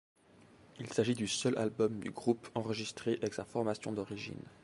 Il s'agit du seul album du groupe enregistré avec sa formation d'origine.